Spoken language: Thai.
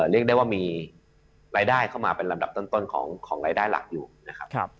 เรียกได้ว่ามีรายได้เข้ามาเป็นลำดับต้นของรายได้หลักอยู่นะครับ